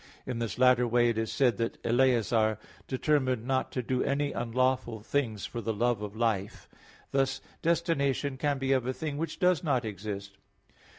In this latter way it is said that Eleazar "determined not to do any unlawful things for the love of life" (2 Macc. 6:20). Thus destination can be of a thing which does not exist.